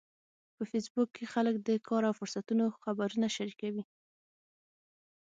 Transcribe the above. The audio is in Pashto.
په فېسبوک کې خلک د کار او فرصتونو خبرونه شریکوي